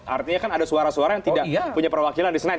artinya kan ada suara suara yang tidak punya perwakilan di senay